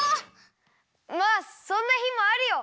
まあそんなひもあるよ。